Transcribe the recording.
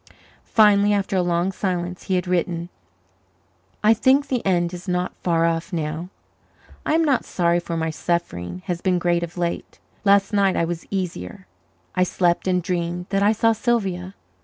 Finally, after a long silence, he had written: I think the end is not far off now. I am not sorry for my suffering has been great of late. Last night I was easier. I slept and dreamed that I saw Sylvia.